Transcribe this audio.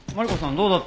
どうだった？